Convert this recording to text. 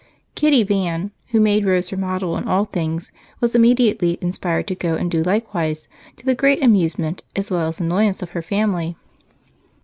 Kitty Van, who made Rose her model in all things, was immediately inspired to go and do likewise, to the great amusement as well as annoyance of her family.